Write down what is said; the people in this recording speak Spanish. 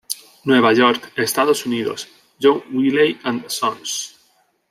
Nueva York, Estados Unidos: John Wiley and Sons.